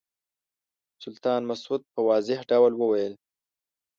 سلطان مسعود په واضح ډول وویل.